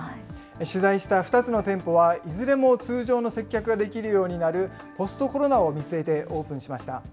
取材した２つの店舗はいずれも通常の接客ができるようになる、ポストコロナを見据えてオープンしました。